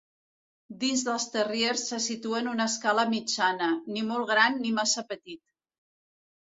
Dins dels terriers se situa en una escala mitjana, ni molt gran ni massa petit.